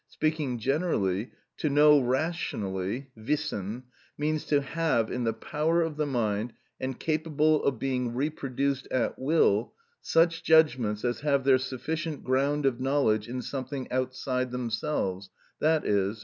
Speaking generally, to know rationally (wissen) means to have in the power of the mind, and capable of being reproduced at will, such judgments as have their sufficient ground of knowledge in something outside themselves, _i.e.